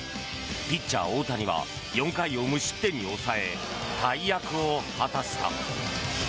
ピッチャー、大谷は４回を無失点に抑え大役を果たした。